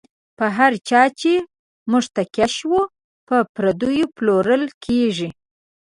په هر چا چی موږ تکیه شو، په پردیو پلورل کیږی